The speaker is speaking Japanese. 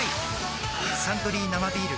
「サントリー生ビール」